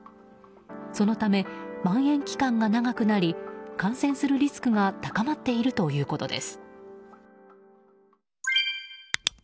そのため、まん延期間が長くなり感染するリスクが高まっているということです。